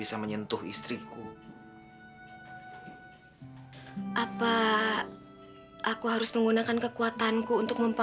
sampai jumpa di video selanjutnya